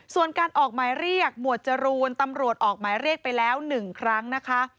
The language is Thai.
ส่วนการออกหมายเรียกหมวดจรูนตำรวจออกหมายเรียกไปแล้ว๑ครั้งนะคะ